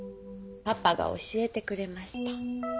パパが教えてくれました。